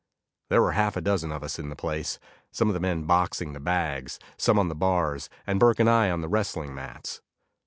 There were half a dozen of us in the place; some of the men boxing the bags, some on the bars, and Burke and I on the wrestling mats.